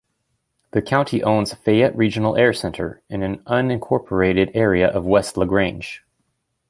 The county owns Fayette Regional Air Center, in an unincorporated area west of LaGrange.